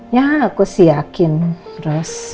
ya aku sih yakin terus